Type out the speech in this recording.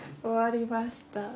終わりました。